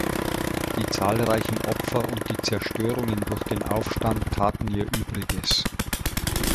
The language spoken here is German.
Die zahlreichen Opfer und die Zerstörungen durch den Aufstand taten ihr Übriges.